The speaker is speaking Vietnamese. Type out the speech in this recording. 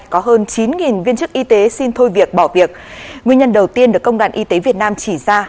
có hơn chín viên chức y tế xin thôi việc bỏ việc nguyên nhân đầu tiên được công đoàn y tế việt nam chỉ ra